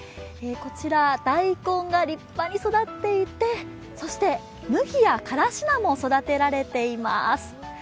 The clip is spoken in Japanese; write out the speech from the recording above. こちら、大根が立派に育っていて、そして麦やからし菜も育てられています。